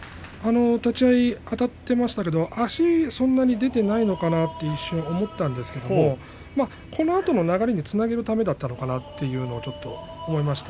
立ち合いあたっていましたが足はそんなに出ていないのかなと一瞬思ったんですけれどそのあとの流れにつなげるためだったのかなとも思いました。